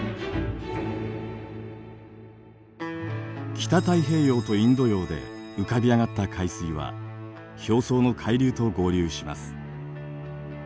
北太平洋とインド洋で浮かび上がった海水は表層の海流と合流します。